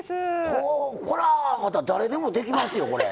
これはまた誰でもできますよこれ。